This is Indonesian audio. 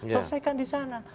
selesaikan di sana